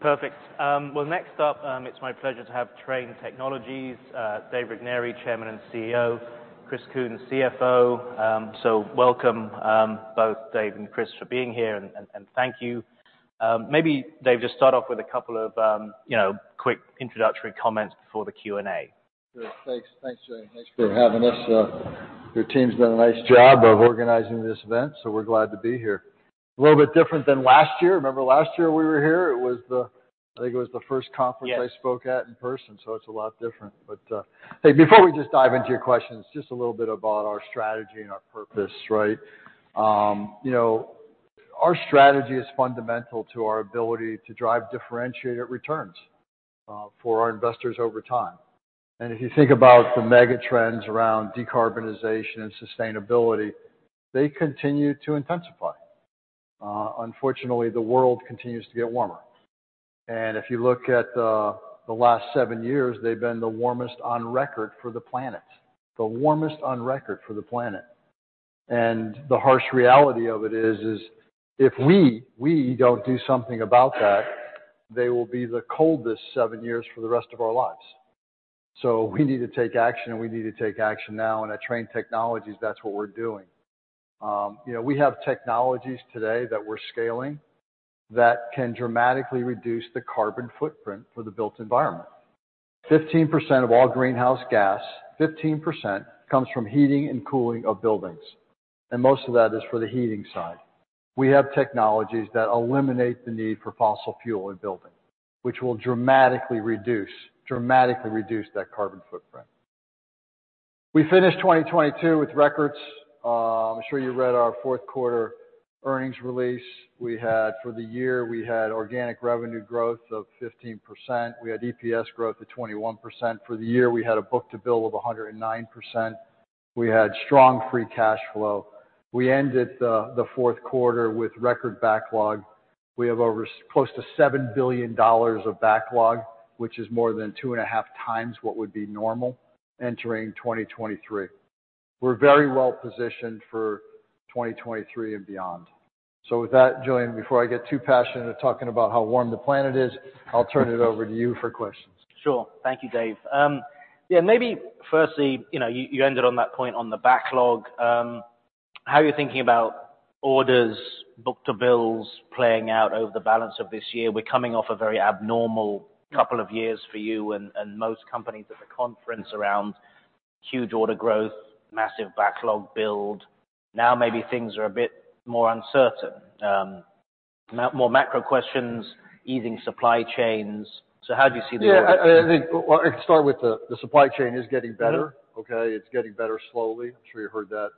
Perfect. Next up, it's my pleasure to have Trane Technologies, Dave Regnery, Chairman and CEO, Chris Kuehn, CFO. Welcome, both Dave and Chris, for being here, and thank you. Maybe, Dave, just start off with a couple of, you know, quick introductory comments before the Q&A. Good. Thanks. Thanks, Julian. Thanks for having us. Your team's done a nice job of organizing this event, so we're glad to be here. A little bit different than last year. Remember last year we were here? It was the, I think it was the first conference I spoke at in person, so it's a lot different. But, hey, before we just dive into your questions, just a little bit about our strategy and our purpose, right? You know, our strategy is fundamental to our ability to drive differentiated returns for our investors over time. And if you think about the mega trends around decarbonization and sustainability, they continue to intensify. Unfortunately, the world continues to get warmer. And if you look at the last seven years, they've been the warmest on record for the planet, the warmest on record for the planet. The harsh reality of it is, if we do not do something about that, they will be the coldest seven years for the rest of our lives. We need to take action, and we need to take action now. At Trane Technologies, that is what we are doing. You know, we have technologies today that we are scaling that can dramatically reduce the carbon footprint for the built environment. 15% of all greenhouse gas, 15% comes from heating and cooling of buildings, and most of that is for the heating side. We have technologies that eliminate the need for fossil fuel in building, which will dramatically reduce, dramatically reduce that carbon footprint. We finished 2022 with records. I am sure you read our fourth quarter earnings release. For the year, we had organic revenue growth of 15%. We had EPS growth of 21%. For the year, we had a book to bill of 109%. We had strong free cash flow. We ended the fourth quarter with record backlog. We have over close to $7 billion of backlog, which is more than two and a half times what would be normal entering 2023. We're very well positioned for 2023 and beyond. Julian, before I get too passionate at talking about how warm the planet is, I'll turn it over to you for questions. Sure. Thank you, Dave. Yeah, maybe firstly, you know, you ended on that point on the backlog. How are you thinking about orders, book to bills playing out over the balance of this year? We're coming off a very abnormal couple of years for you and most companies at the conference around huge order growth, massive backlog build. Now maybe things are a bit more uncertain. Now more macro questions, easing supply chains. How do you see the? Yeah. I think, I can start with the, the supply chain is getting better. Okay? It's getting better slowly. I'm sure you heard that.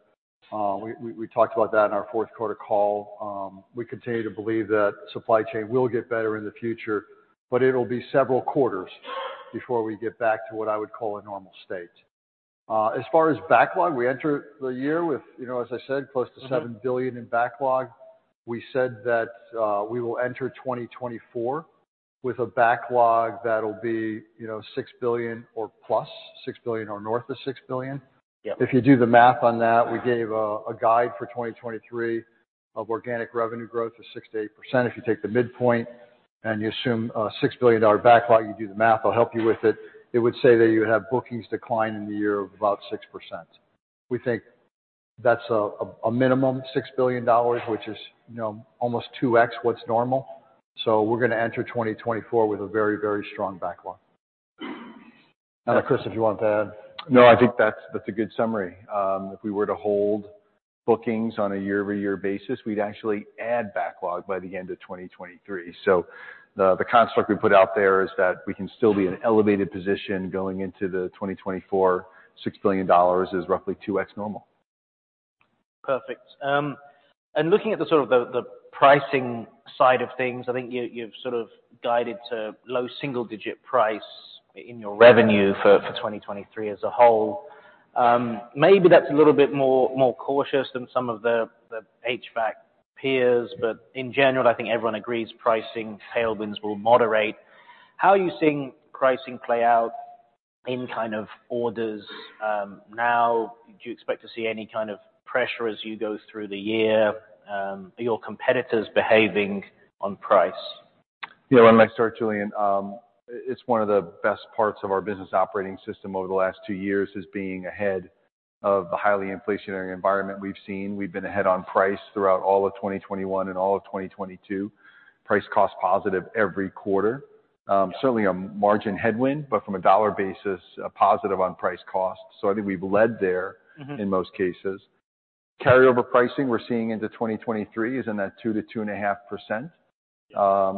We talked about that in our fourth quarter call. We continue to believe that supply chain will get better in the future, but it'll be several quarters before we get back to what I would call a normal state. As far as backlog, we entered the year with, you know, as I said, close to $7 billion in backlog. We said that we will enter 2024 with a backlog that'll be, you know, $6 billion or plus, $6 billion or north of $6 billion. Yep. If you do the math on that, we gave a guide for 2023 of organic revenue growth of 6-8%. If you take the midpoint and you assume a $6 billion backlog, you do the math, I'll help you with it, it would say that you would have bookings decline in the year of about 6%. We think that's a minimum $6 billion, which is, you know, almost 2X what's normal. We're gonna enter 2024 with a very, very strong backlog. Okay. I don't know, Chris, if you wanted to add. No, I think that's a good summary. If we were to hold bookings on a year-over-year basis, we'd actually add backlog by the end of 2023. The construct we put out there is that we can still be in an elevated position going into 2024, $6 billion is roughly 2X normal. Perfect. And looking at the sort of the, the pricing side of things, I think you've, you've sort of guided to low single-digit price in your revenue for, for 2023 as a whole. Maybe that's a little bit more, more cautious than some of the, the HVAC peers, but in general, I think everyone agrees pricing tailwinds will moderate. How are you seeing pricing play out in kind of orders? Now, do you expect to see any kind of pressure as you go through the year? Are your competitors behaving on price? Yeah. When I start, Julian, it's one of the best parts of our business operating system over the last two years is being ahead of the highly inflationary environment we've seen. We've been ahead on price throughout all of 2021 and all of 2022, price cost positive every quarter. Certainly a margin headwind, but from a dollar basis, a positive on price cost. So I think we've led there. Mm-hmm. In most cases, carryover pricing we're seeing into 2023 is in that 2-2.5%.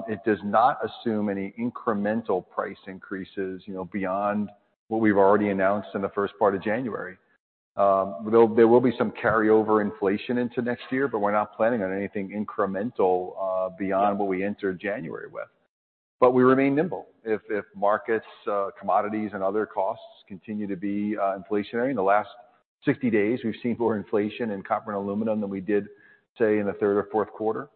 It does not assume any incremental price increases, you know, beyond what we've already announced in the first part of January. There will be some carryover inflation into next year, but we're not planning on anything incremental beyond what we entered January with. We remain nimble. If markets, commodities, and other costs continue to be inflationary, in the last 60 days, we've seen more inflation in copper and aluminum than we did, say, in the third or fourth quarter.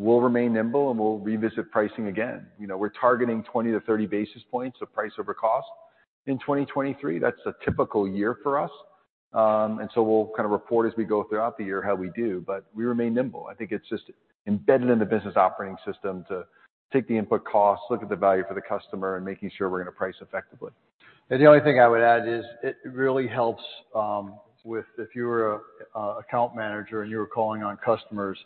We'll remain nimble and we'll revisit pricing again. You know, we're targeting 20-30 basis points of price over cost in 2023. That's a typical year for us, and so we'll kind of report as we go throughout the year how we do, but we remain nimble. I think it's just embedded in the business operating system to take the input costs, look at the value for the customer, and making sure we're gonna price effectively. The only thing I would add is it really helps if you were an account manager and you were calling on customers,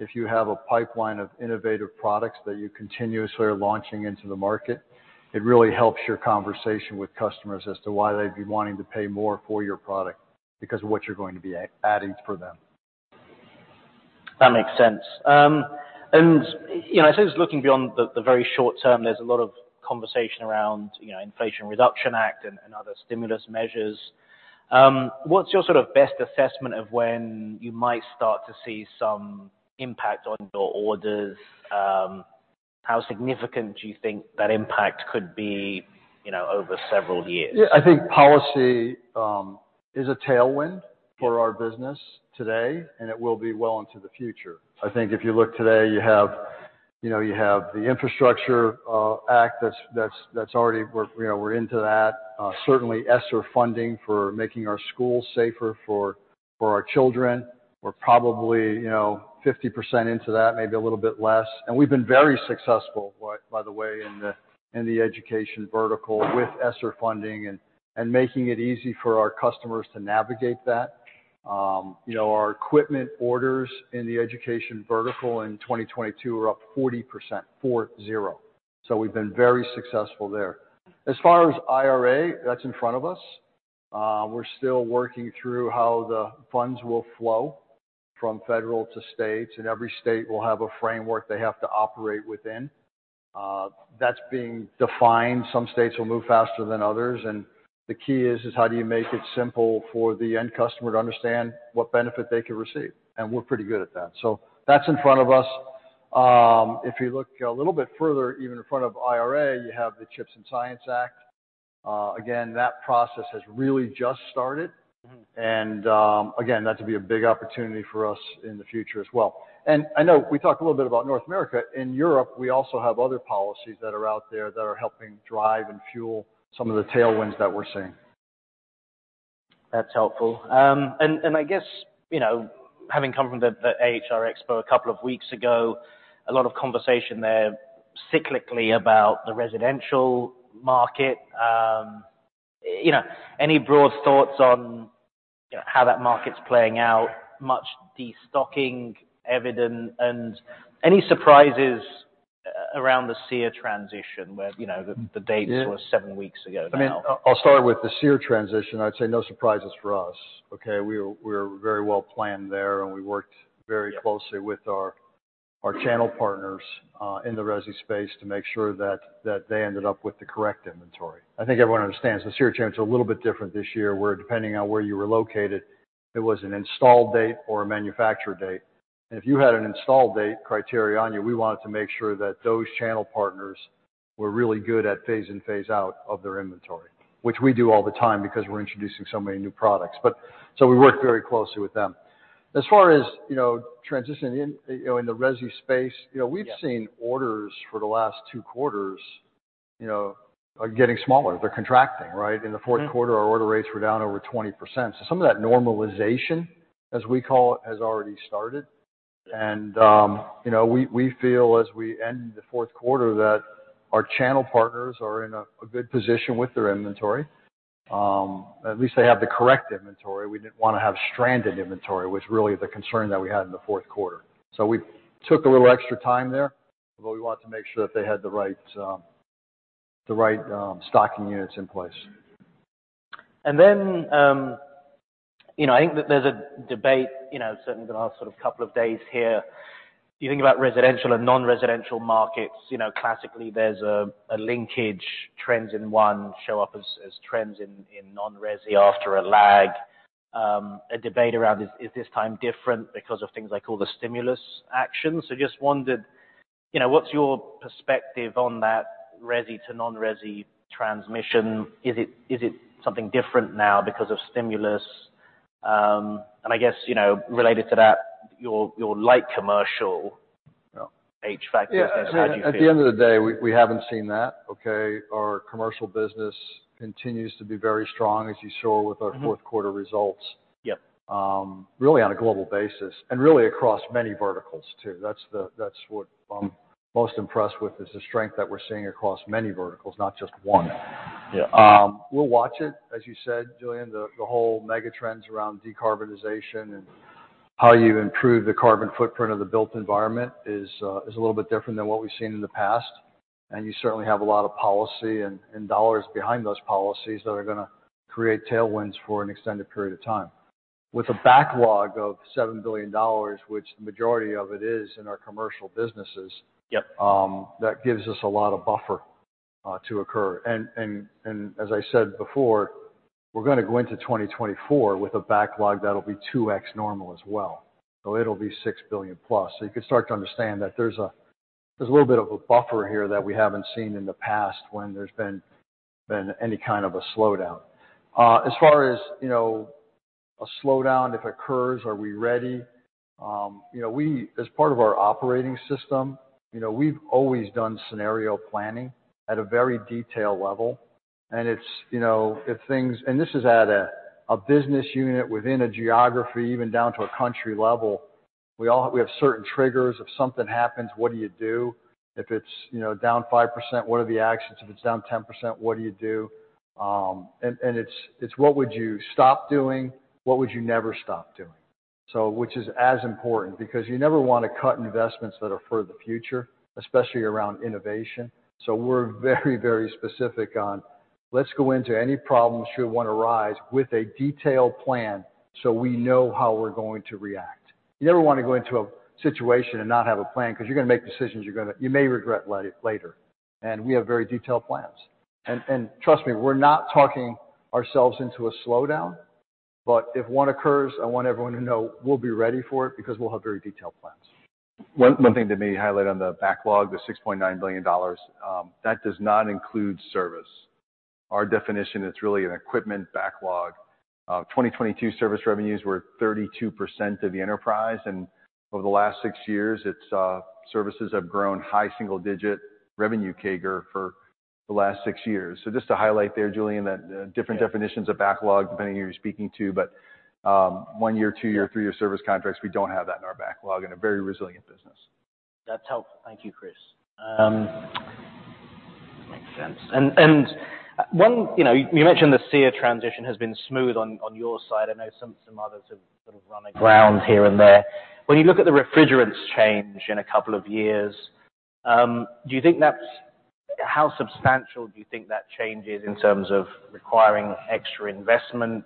if you have a pipeline of innovative products that you continuously are launching into the market, it really helps your conversation with customers as to why they'd be wanting to pay more for your product because of what you're going to be adding for them. That makes sense. And, you know, I suppose looking beyond the very short term, there's a lot of conversation around, you know, Inflation Reduction Act and other stimulus measures. What's your sort of best assessment of when you might start to see some impact on your orders? How significant do you think that impact could be, you know, over several years? Yeah. I think policy is a tailwind for our business today, and it will be well into the future. I think if you look today, you have, you know, you have the Infrastructure Act that's already, we're, you know, we're into that. Certainly ESSER funding for making our schools safer for our children. We're probably, you know, 50% into that, maybe a little bit less. And we've been very successful, by the way, in the education vertical with ESSER funding and making it easy for our customers to navigate that. You know, our equipment orders in the education vertical in 2022 were up 40%. Four-zero. So we've been very successful there. As far as IRA, that's in front of us. We're still working through how the funds will flow from federal to states, and every state will have a framework they have to operate within. That's being defined. Some states will move faster than others. The key is, how do you make it simple for the end customer to understand what benefit they could receive? We're pretty good at that. That's in front of us. If you look a little bit further, even in front of IRA, you have the Chips and Science Act. Again, that process has really just started. Mm-hmm. That'd be a big opportunity for us in the future as well. I know we talked a little bit about North America. In Europe, we also have other policies that are out there that are helping drive and fuel some of the tailwinds that we're seeing. That's helpful. And, and I guess, you know, having come from the, the AHR Expo a couple of weeks ago, a lot of conversation there cyclically about the residential market. You know, any broad thoughts on, you know, how that market's playing out, much destocking evident, and any surprises, around the SEER transition where, you know, the, the dates were seven weeks ago now? I mean, I'll start with the SEER transition. I'd say no surprises for us. Okay? We were very well planned there, and we worked very closely with our channel partners in the RESI space to make sure that they ended up with the correct inventory. I think everyone understands the SEER change is a little bit different this year where, depending on where you were located, it was an install date or a manufacturer date. If you had an install date criteria on you, we wanted to make sure that those channel partners were really good at phase in, phase out of their inventory, which we do all the time because we're introducing so many new products. We worked very closely with them. As far as, you know, transitioning in, you know, in the RESI space, you know, we've seen orders for the last two quarters, you know, are getting smaller. They're contracting, right? In the fourth quarter, our order rates were down over 20%. Some of that normalization, as we call it, has already started. You know, we feel as we end the fourth quarter that our channel partners are in a good position with their inventory. At least they have the correct inventory. We did not want to have stranded inventory, which was really the concern that we had in the fourth quarter. We took a little extra time there, but we wanted to make sure that they had the right, the right stocking units in place. You know, I think that there's a debate, certainly the last sort of couple of days here. Do you think about residential and non-residential markets? You know, classically, there's a linkage. Trends in one show up as trends in non-RESI after a lag. A debate around is this time different because of things like all the stimulus actions? Just wondered, what's your perspective on that RESI to non-RESI transmission? Is it something different now because of stimulus? I guess, related to that, your light commercial HVAC business, how do you feel? Yeah. At the end of the day, we haven't seen that. Okay? Our commercial business continues to be very strong, as you saw with our fourth quarter results. Yep. Really on a global basis and really across many verticals too. That's what I'm most impressed with is the strength that we're seeing across many verticals, not just one. Yeah. We'll watch it, as you said, Julian, the whole mega trends around decarbonization and how you improve the carbon footprint of the built environment is a little bit different than what we've seen in the past. You certainly have a lot of policy and dollars behind those policies that are gonna create tailwinds for an extended period of time. With a backlog of $7 billion, which the majority of it is in our commercial businesses. Yep. That gives us a lot of buffer to occur. And as I said before, we're gonna go into 2024 with a backlog that'll be 2X normal as well. So it'll be $6 billion plus. You could start to understand that there's a little bit of a buffer here that we haven't seen in the past when there's been any kind of a slowdown. As far as, you know, a slowdown, if it occurs, are we ready? You know, we, as part of our operating system, we've always done scenario planning at a very detailed level. And it's, you know, if things—and this is at a business unit within a geography, even down to a country level—we have certain triggers. If something happens, what do you do? If it's, you know, down 5%, what are the actions? If it's down 10%, what do you do? And it's, it's what would you stop doing, what would you never stop doing? Which is as important because you never want to cut investments that are for the future, especially around innovation. We're very, very specific on, let's go into any problems should one arise with a detailed plan so we know how we're going to react. You never want to go into a situation and not have a plan because you're going to make decisions you may regret later. We have very detailed plans. Trust me, we're not talking ourselves into a slowdown, but if one occurs, I want everyone to know we'll be ready for it because we'll have very detailed plans. One, one thing to maybe highlight on the backlog, the $6.9 billion, that does not include service. Our definition, it's really an equipment backlog. 2022 service revenues were 32% of the enterprise. And over the last six years, it's, services have grown high single-digit revenue CAGR for the last six years. So just to highlight there, Julian, that, different definitions of backlog depending who you're speaking to, but, one-year, two-year, three-year service contracts, we don't have that in our backlog in a very resilient business. That's helpful. Thank you, Chris. Makes sense. You mentioned the SEER transition has been smooth on your side. I know some others have sort of run aground here and there. When you look at the refrigerants change in a couple of years, do you think that's, how substantial do you think that change is in terms of requiring extra investment,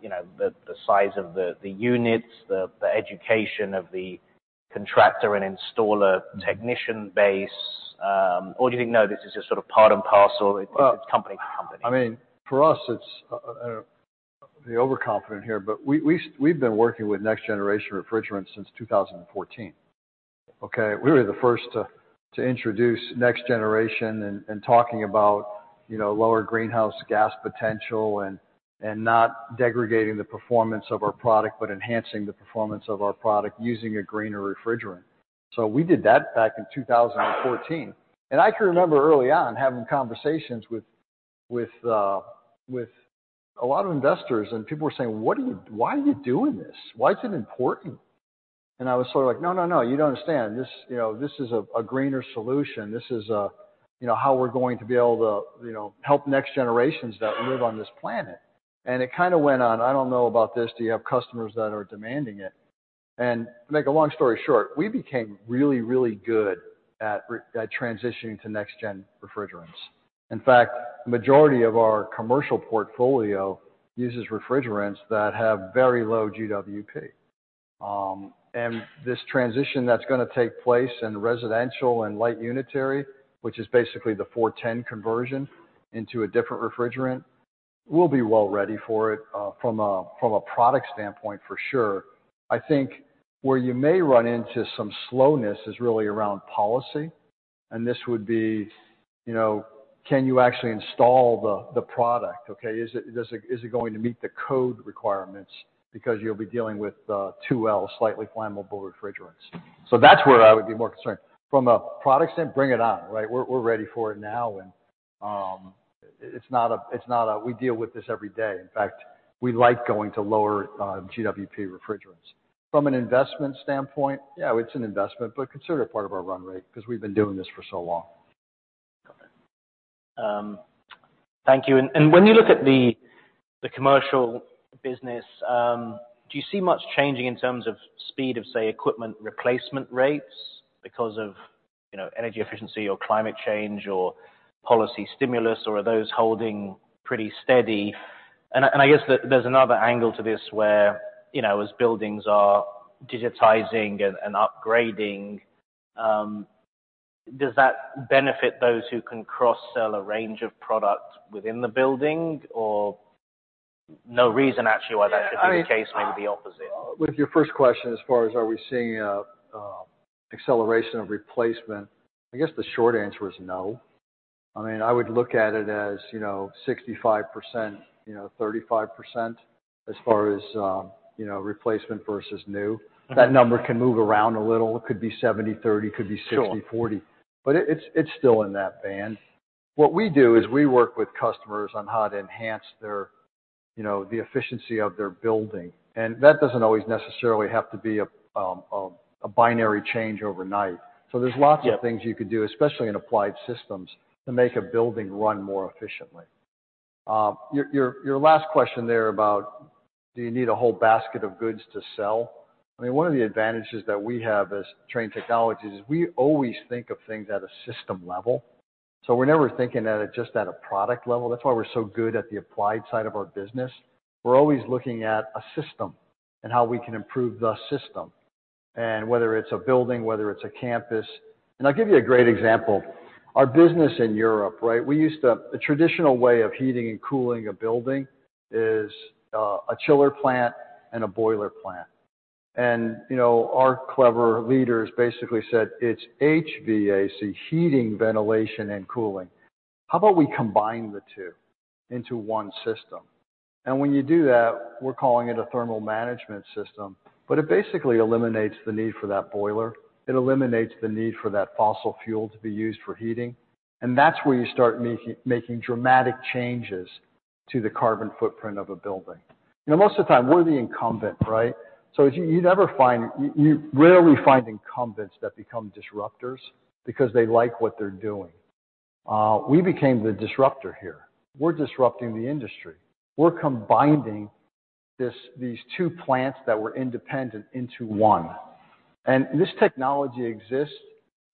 you know, the size of the units, the education of the contractor and installer technician base? Or do you think, no, this is just sort of part and parcel? It's company to company? I mean, for us, it's—I don't know if I'm being overconfident here, but we, we've been working with Next Generation Refrigerants since 2014. Okay? We were the first to introduce Next Generation and talking about, you know, lower greenhouse gas potential and not degrading the performance of our product, but enhancing the performance of our product using a greener refrigerant. We did that back in 2014. I can remember early on having conversations with a lot of investors, and people were saying, "What are you—why are you doing this? Why is it important?" I was sort of like, "No, no, no. You don't understand. This, you know, this is a greener solution. This is a, you know, how we're going to be able to, you know, help next generations that live on this planet. It kind of went on, "I don't know about this. Do you have customers that are demanding it?" To make a long story short, we became really, really good at transitioning to next-gen refrigerants. In fact, the majority of our commercial portfolio uses refrigerants that have very low GWP. This transition that's gonna take place in residential and light unitary, which is basically the 410 conversion into a different refrigerant, we'll be well ready for it, from a product standpoint for sure. I think where you may run into some slowness is really around policy. This would be, you know, can you actually install the product? Okay? Is it—does it—is it going to meet the code requirements because you'll be dealing with 2L slightly flammable refrigerants? That's where I would be more concerned. From a product standpoint, bring it on. Right? We're ready for it now. It's not a—we deal with this every day. In fact, we like going to lower GWP refrigerants. From an investment standpoint, yeah, it's an investment, but consider it part of our run rate because we've been doing this for so long. Got it. Thank you. When you look at the commercial business, do you see much changing in terms of speed of, say, equipment replacement rates because of, you know, energy efficiency or climate change or policy stimulus, or are those holding pretty steady? I guess that there's another angle to this where, you know, as buildings are digitizing and upgrading, does that benefit those who can cross-sell a range of products within the building or no reason actually why that should be the case, maybe the opposite? With your first question, as far as are we seeing a, acceleration of replacement, I guess the short answer is no. I mean, I would look at it as, you know, 65%, you know, 35% as far as, you know, replacement versus new. That number can move around a little. It could be 70/30, could be 60/40. Sure. It's still in that band. What we do is we work with customers on how to enhance their, you know, the efficiency of their building. That does not always necessarily have to be a binary change overnight. There are lots of things you could do, especially in applied systems, to make a building run more efficiently. Your last question there about do you need a whole basket of goods to sell, I mean, one of the advantages that we have as Trane Technologies is we always think of things at a system level. We are never thinking at it just at a product level. That is why we are so good at the applied side of our business. We are always looking at a system and how we can improve the system, and whether it is a building, whether it is a campus. I'll give you a great example. Our business in Europe, right, we used to—the traditional way of heating and cooling a building is, a chiller plant and a boiler plant. You know, our clever leaders basically said, "It's HVAC, heating, ventilation, and cooling. How about we combine the two into one system?" When you do that, we're calling it a thermal management system, but it basically eliminates the need for that boiler. It eliminates the need for that fossil fuel to be used for heating. That's where you start making dramatic changes to the carbon footprint of a building. You know, most of the time, we're the incumbent, right? You rarely find incumbents that become disruptors because they like what they're doing. We became the disruptor here. We're disrupting the industry. We're combining this, these two plants that were independent into one. And this technology exists.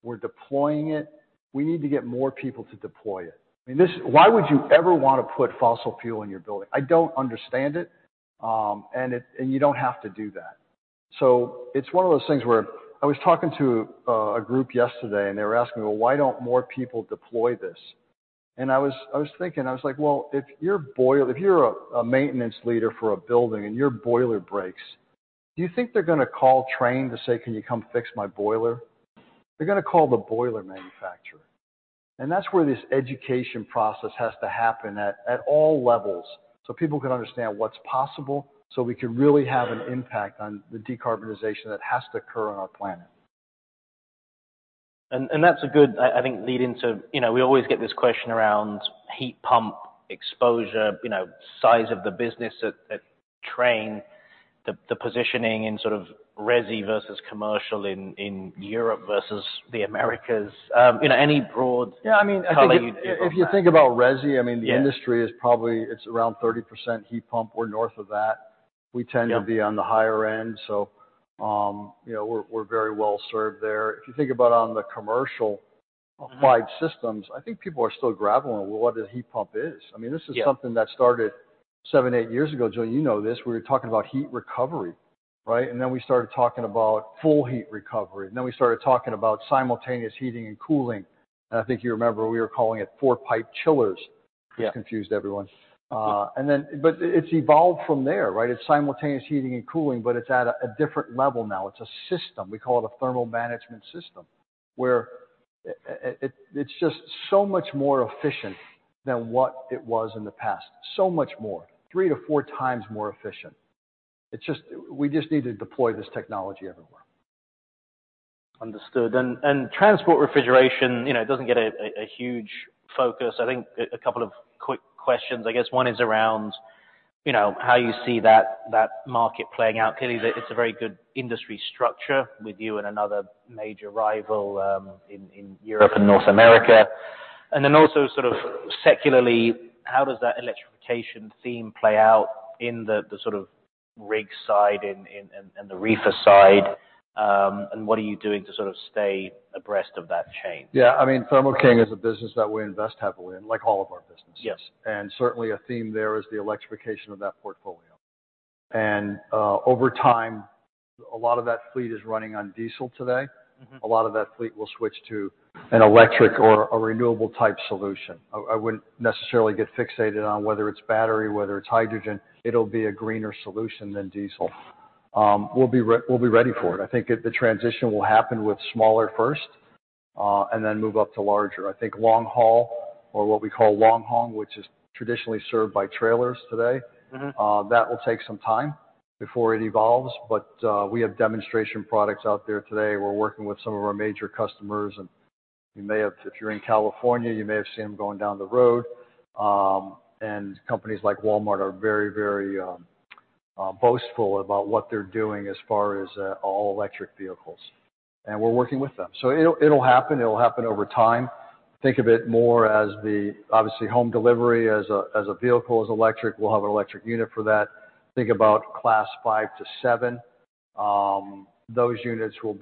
We're deploying it. We need to get more people to deploy it. I mean, this—why would you ever wanna put fossil fuel in your building? I don't understand it. and it—and you don't have to do that. It's one of those things where I was talking to a, a group yesterday, and they were asking me, "Well, why don't more people deploy this?" I was—I was thinking, I was like, "Well, if you're boil—if you're a, a maintenance leader for a building and your boiler breaks, do you think they're gonna call Trane to say, 'Can you come fix my boiler?'" They're gonna call the boiler manufacturer. That is where this education process has to happen at all levels so people can understand what's possible so we can really have an impact on the decarbonization that has to occur on our planet. That's a good—I think lead into, you know, we always get this question around heat pump exposure, you know, size of the business at Trane, the positioning in sort of RESI versus commercial in Europe versus the Americas. You know, any broad color you do. Yeah. I mean, I think if you think about RESI, I mean, the industry is probably—it's around 30% heat pump or north of that. We tend to be on the higher end. You know, we're very well served there. If you think about on the commercial applied systems, I think people are still grappling with what a heat pump is. I mean, this is something that started seven, eight years ago. Julian, you know this. We were talking about heat recovery, right? And then we started talking about full heat recovery. And then we started talking about simultaneous heating and cooling. I think you remember we were calling it four-pipe chillers. Yes. Which confused everyone. Then—but it's evolved from there, right? It's simultaneous heating and cooling, but it's at a different level now. It's a system. We call it a thermal management system where it's just so much more efficient than what it was in the past. So much more, three to four times more efficient. We just need to deploy this technology everywhere. Understood. And transport refrigeration, you know, it doesn't get a huge focus. I think a couple of quick questions. I guess one is around, you know, how you see that market playing out. Clearly, it's a very good industry structure with you and another major rival, in Europe and North America. And then also sort of secularly, how does that electrification theme play out in the sort of rig side and the reefer side? And what are you doing to sort of stay abreast of that change? Yeah. I mean, Thermo King is a business that we invest heavily in, like all of our businesses. Yes. Certainly a theme there is the electrification of that portfolio. Over time, a lot of that fleet is running on diesel today. A lot of that fleet will switch to an electric or a renewable-type solution. I wouldn't necessarily get fixated on whether it's battery, whether it's hydrogen. It'll be a greener solution than diesel. We'll be ready for it. I think the transition will happen with smaller first, and then move up to larger. I think long-haul, or what we call long-haul, which is traditionally served by trailers today. Mm-hmm. That will take some time before it evolves. But we have demonstration products out there today. We're working with some of our major customers. If you're in California, you may have seen them going down the road. Companies like Walmart are very, very boastful about what they're doing as far as all-electric vehicles, and we're working with them. It'll happen. It'll happen over time. Think of it more as, obviously, home delivery as a vehicle is electric. We'll have an electric unit for that. Think about class five to seven. Those units will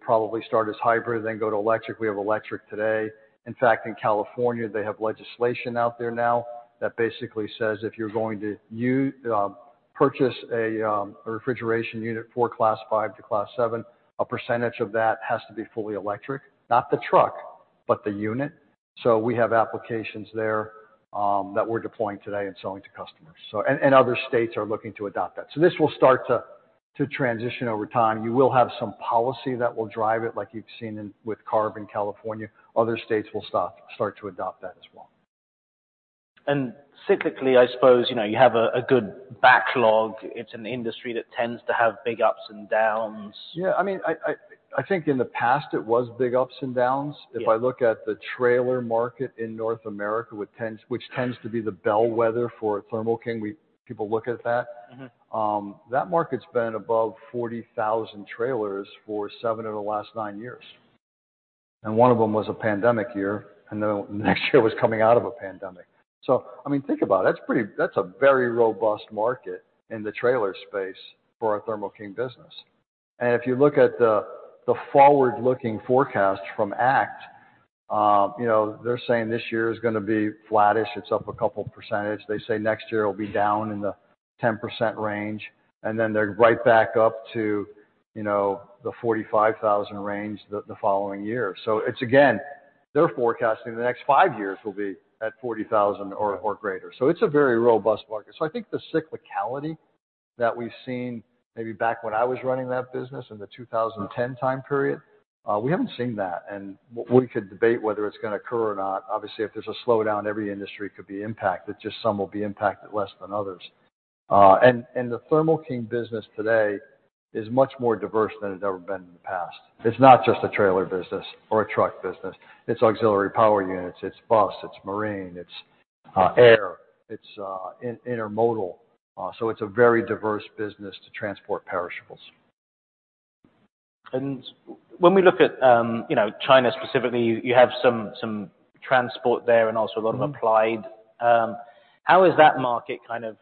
probably start as hybrid, then go to electric. We have electric today. In fact, in California, they have legislation out there now that basically says if you're going to, uh, purchase a refrigeration unit for class five to class seven, a percentage of that has to be fully electric. Not the truck, but the unit. We have applications there that we're deploying today and selling to customers. Other states are looking to adopt that. This will start to transition over time. You will have some policy that will drive it like you've seen with CARB in California. Other states will start to adopt that as well. Cyclically, I suppose, you know, you have a good backlog. It's an industry that tends to have big ups and downs. Yeah. I mean, I think in the past it was big ups and downs. Yeah. If I look at the trailer market in North America with Thermo King, which tends to be the bellwether for Thermo King, we people look at that. Mm-hmm. That market's been above 40,000 trailers for seven of the last nine years. One of them was a pandemic year, and then the next year was coming out of a pandemic. I mean, think about it. That's pretty—that's a very robust market in the trailer space for our Thermo King business. If you look at the forward-looking forecast from ACT, they're saying this year is gonna be flattish. It's up a couple %. They say next year it'll be down in the 10% range. They're right back up to the 45,000 range the following year. Again, they're forecasting the next five years will be at 40,000 or greater. It's a very robust market. I think the cyclicality that we've seen maybe back when I was running that business in the 2010 time period, we haven't seen that. We could debate whether it's gonna occur or not. Obviously, if there's a slowdown, every industry could be impacted. Just some will be impacted less than others. The Thermo King business today is much more diverse than it's ever been in the past. It's not just a trailer business or a truck business. It's auxiliary power units. It's bus. It's marine. It's air. It's intermodal. It's a very diverse business to transport perishables. When we look at, you know, China specifically, you have some transport there and also a lot of applied. Mm-hmm. How is that market kind of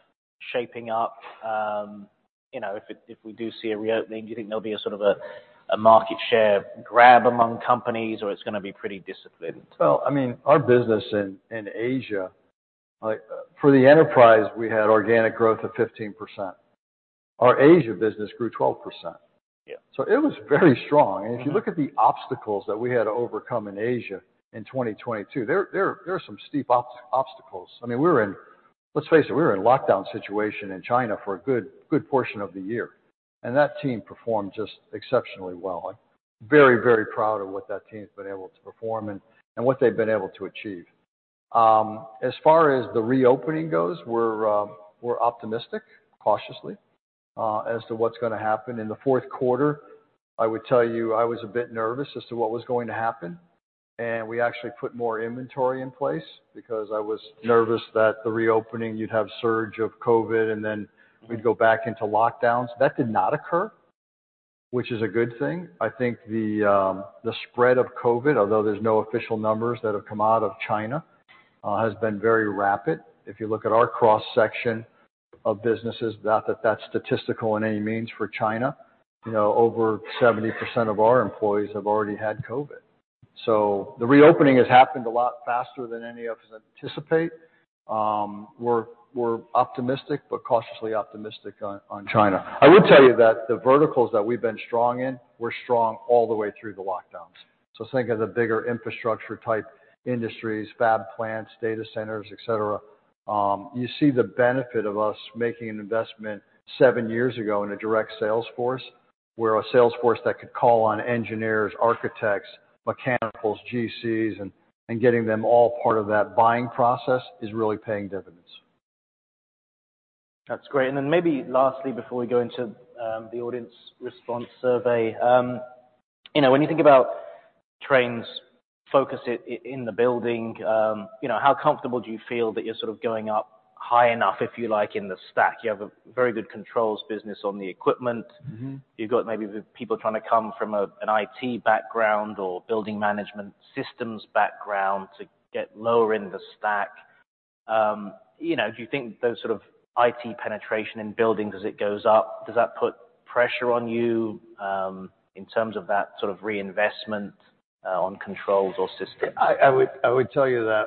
shaping up? You know, if it, if we do see a reopening, do you think there'll be a sort of a, a market share grab among companies, or it's gonna be pretty disciplined? I mean, our business in Asia, like, for the enterprise, we had organic growth of 15%. Our Asia business grew 12%. Yeah. It was very strong. If you look at the obstacles that we had to overcome in Asia in 2022, there are some steep obstacles. I mean, we were in, let's face it, we were in a lockdown situation in China for a good portion of the year. That team performed just exceptionally well. I'm very, very proud of what that team's been able to perform and what they've been able to achieve. As far as the reopening goes, we're optimistic, cautiously, as to what's gonna happen. In the fourth quarter, I would tell you I was a bit nervous as to what was going to happen. We actually put more inventory in place because I was nervous that the reopening, you'd have a surge of COVID, and then we'd go back into lockdowns. That did not occur, which is a good thing. I think the spread of COVID, although there's no official numbers that have come out of China, has been very rapid. If you look at our cross-section of businesses, not that that's statistical in any means for China, you know, over 70% of our employees have already had COVID. So the reopening has happened a lot faster than any of us anticipate. We're optimistic but cautiously optimistic on China. I would tell you that the verticals that we've been strong in were strong all the way through the lockdowns. Think of the bigger infrastructure-type industries, fab plants, data centers, etc. You see the benefit of us making an investment seven years ago in a direct sales force where a sales force that could call on engineers, architects, mechanicals, GCs, and, and getting them all part of that buying process is really paying dividends. That's great. Maybe lastly, before we go into the audience response survey, you know, when you think about Trane's focus in the building, you know, how comfortable do you feel that you're sort of going up high enough, if you like, in the stack? You have a very good controls business on the equipment. Mm-hmm. You've got maybe people trying to come from a, an IT background or building management systems background to get lower in the stack. You know, do you think those sort of IT penetration in buildings as it goes up, does that put pressure on you, in terms of that sort of reinvestment, on controls or systems? I would tell you that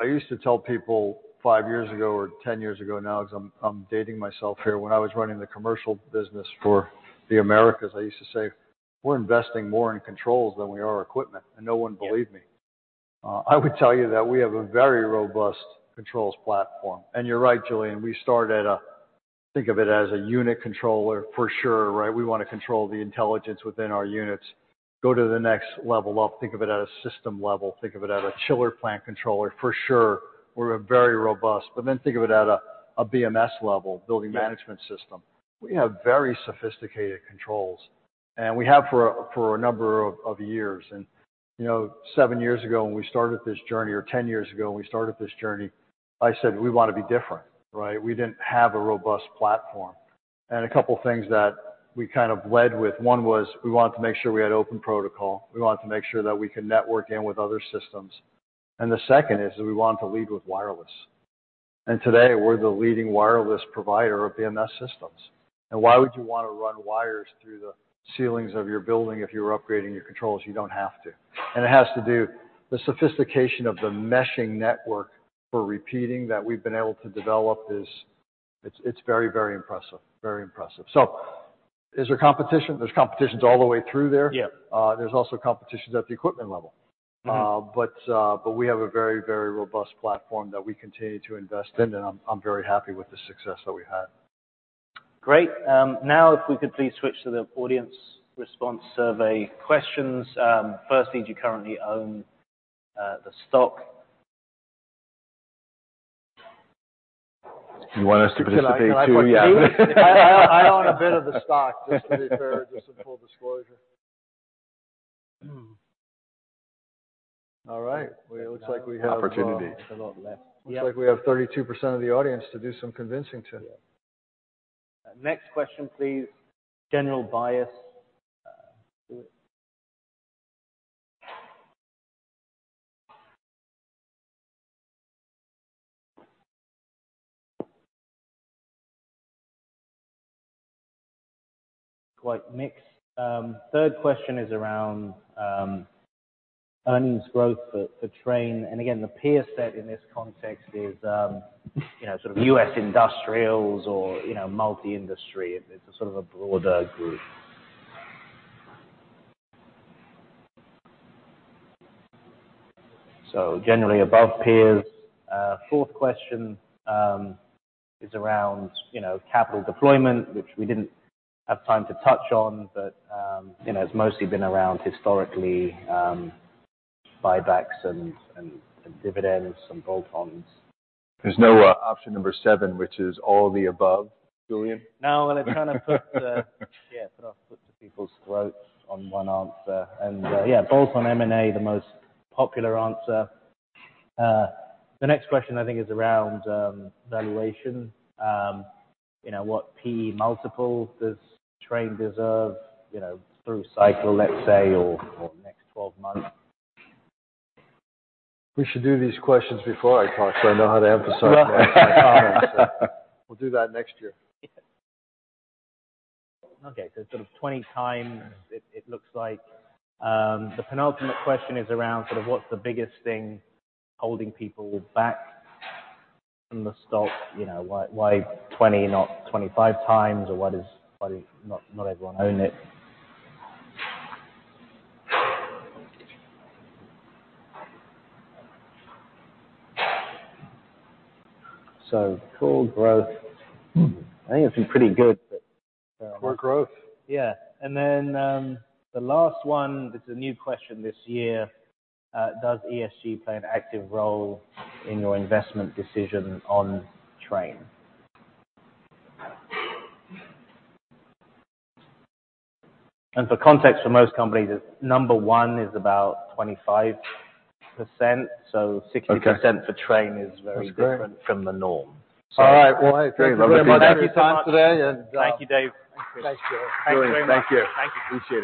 I used to tell people five years ago or 10 years ago now, 'cause I'm dating myself here, when I was running the commercial business for the Americas, I used to say, "We're investing more in controls than we are equipment." No one believed me. I would tell you that we have a very robust controls platform. You're right, Julian. We start at a, think of it as a unit controller for sure, right? We want to control the intelligence within our units. Go to the next level up, think of it at a system level. Think of it at a chiller plant controller for sure. We're very robust. Think of it at a BMS level, building management system. We have very sophisticated controls. We have for a number of years. You know, seven years ago when we started this journey, or 10 years ago when we started this journey, I said, "We wanna be different," right? We did not have a robust platform. A couple things that we kind of led with, one was we wanted to make sure we had open protocol. We wanted to make sure that we could network in with other systems. The second is we wanted to lead with wireless. Today we are the leading wireless provider of BMS systems. Why would you wanna run wires through the ceilings of your building if you are upgrading your controls? You do not have to. It has to do with the sophistication of the meshing network for repeating that we have been able to develop. It is very, very impressive. Very impressive. Is there competition? There is competition all the way through there. Yeah. There's also competitions at the equipment level. Mm-hmm. We have a very, very robust platform that we continue to invest in. I'm very happy with the success that we've had. Great. Now if we could please switch to the audience response survey questions. Firstly, do you currently own the stock? You want us to participate too? Yeah. I own a bit of the stock just to be fair, just in full disclosure. All right. It looks like we have. Opportunity. A lot left. Yeah. Looks like we have 32% of the audience to do some convincing to. Yeah. Next question, please. General bias, quite mixed. Third question is around earnings growth for Trane. And again, the peer set in this context is, you know, sort of U.S. industrials or, you know, multi-industry. It's a sort of a broader group. So generally above peers. Fourth question is around, you know, capital deployment, which we didn't have time to touch on, but, you know, it's mostly been around historically, buybacks and dividends and bolt-ons. There's no option number seven, which is all the above, Julian. No. It kinda puts, yeah, put our foot to people's throats on one answer. Yeah, bolt-on M&A, the most popular answer. The next question I think is around valuation. You know, what PE multiple does Trane deserve, you know, through cycle, let's say, or next 12 months? We should do these questions before I talk so I know how to emphasize that. Right. I promise. We'll do that next year. Yeah. Okay. Sort of 20 times, it looks like. The penultimate question is around sort of what's the biggest thing holding people back from the stock? You know, why 20, not 25 times, or why does not, not everyone own it? Core growth, I think it's been pretty good, but. Core growth. Yeah. And then, the last one, this is a new question this year. Does ESG play an active role in your investment decision on Trane? And for context, for most companies, number one is about 25%. So 60%. Okay. For Trane is very different. That's good. From the norm. All right. Hey, great. Thank you. Love it here. Thank you, Tom, today. Thank you, Dave. Thank you. Thanks, Julian. Thank you very much. Thank you. Thank you. Appreciate it.